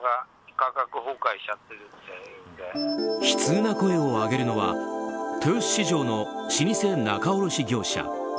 悲痛な声を上げるのは豊洲市場の老舗仲卸業者。